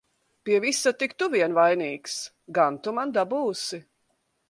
Pie visa tik tu vien vainīgs! Gan tu man dabūsi!